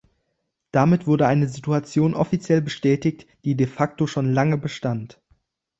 Damit wurde eine Situation offiziell bestätigt, die de facto schon lange bestand.